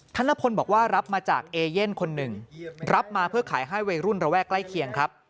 ธนพลบอกว่ารับมาจากเอเย่นคนหนึ่งรับมาเพื่อขายให้วัยรุ่นระแวกใกล้เคียงครับ